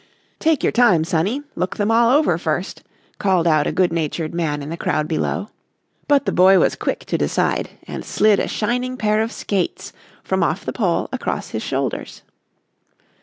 "Take your time, sonny; look them all over first," called out a good natured man in the crowd below, but the boy was quick to decide and slid a shining pair of skates from off the pole across his shoulders.